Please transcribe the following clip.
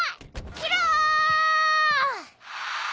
宙？